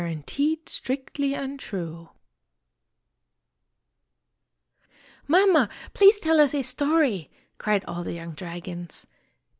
ajiteed Strictly Untrue) M AMA, please tell us a story !" cried all the young dragons.